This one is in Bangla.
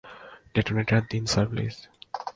ডেটোনেটর দিন স্যার, প্লিজ।